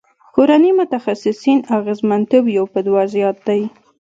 کورني متخصصین اغیزمنتوب یو په دوه زیات دی.